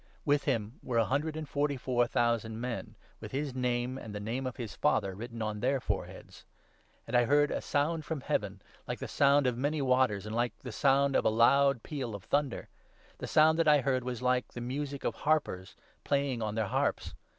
With him were a hundred and forty four thousand men, with his name and the name of his Father written on their foreheads. And I heard a sound from Heaven, ' like the 2 sound of many waters,' and like the sound of a loud peal of thunder ; the sound that I heard was like the music of harpers playing on their harps.